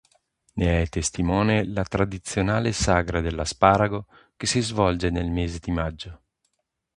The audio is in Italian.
Ne è testimone la tradizionale sagra dell'asparago che si svolge nel mese di maggio.